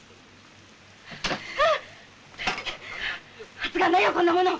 熱かないよこんなもの。